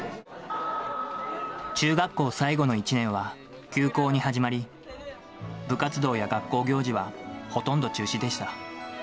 中学校最後の１年は、休校に始まり、部活動や学校行事はほとんど中止でした。